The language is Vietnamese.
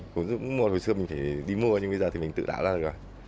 cái giống bước một hồi xưa mình phải đi mua nhưng bây giờ thì mình tự đảo ra rồi